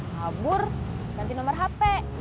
kabur ganti nomor hp